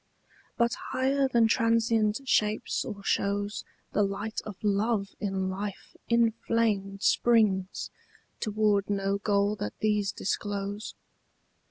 But higher than transient shapes or shows The light of love in life inflamed Springs, toward no goal that these disclose.